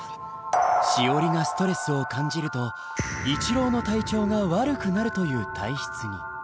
しおりがストレスを感じると一郎の体調が悪くなるという体質に。